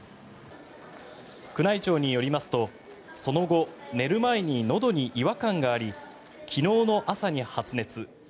宮内庁によりますと、その後寝る前にのどに違和感があり昨日の朝に発熱。